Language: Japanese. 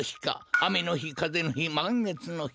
あめのひかぜのひまんげつのひ。